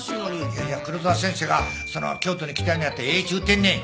いやいや黒沢先生が京都に来てはんのやったらええっちゅうてんねん。